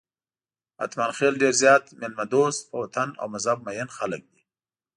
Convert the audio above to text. اتمانخېل ډېر زیات میلمه دوست، په وطن او مذهب مېین خلک دي.